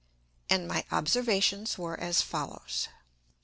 And my Observations were as follows.